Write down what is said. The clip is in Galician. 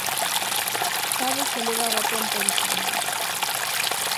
Cabo xa levaba tempo avisando.